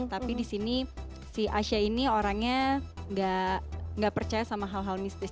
tapi disini si asya ini orangnya gak percaya sama hal hal mistis